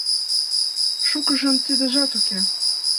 Шукыжын тидыжат уке.